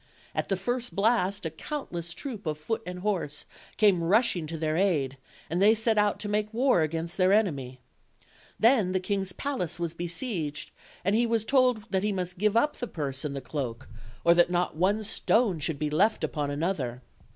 At the first blast a countless troop of foot and horse came rushing to their aid, and they set out to make war against their enemy. Then the king's palace was besieged, and he was told that he must give up the purse and the cloak, or that not one stone should be left upon another.